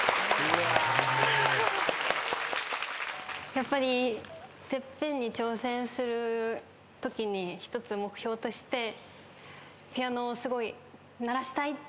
やっぱりＴＥＰＰＥＮに挑戦するときに一つ目標としてピアノをすごい鳴らしたい。